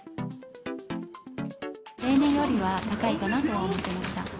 例年よりは高いかなとは思ってました。